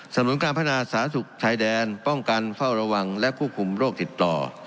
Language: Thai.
นุนการพัฒนาสาธารณสุขชายแดนป้องกันเฝ้าระวังและควบคุมโรคติดต่อ